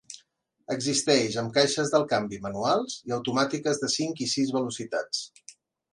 Existeix amb caixes del canvi manuals i automàtiques de cinc i sis velocitats.